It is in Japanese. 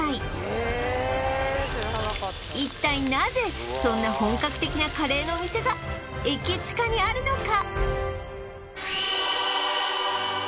なぜそんな本格的なカレーのお店が駅チカにあるのか？